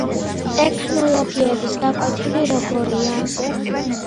ტექნოლოგიების გაკვეთილი როგორია?